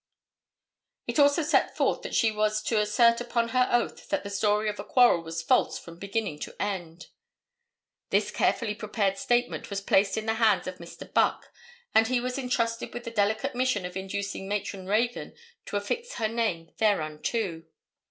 It also set forth that she was to assert upon her oath that the story of a quarrel was false from beginning to end. This carefully prepared statement was placed in the hands of Mr. Buck and he was entrusted with the delicate mission of inducing Matron Reagan to affix her name thereunto.